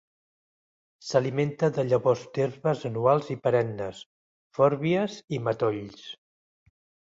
S'alimenta de llavors d'herbes anuals i perennes, fòrbies i matolls.